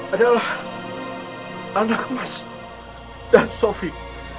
adalah anak mas dan sofi